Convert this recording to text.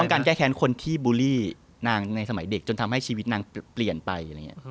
ต้องการแก้แค้นคนที่บูลลี่นางในสมัยเด็กจนทำให้ชีวิตนางเปลี่ยนไป